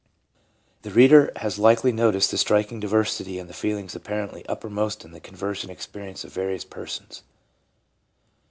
The reader has likely noticed the striking diversity in the feelings apparently uppermost in the conversion experience of various persons.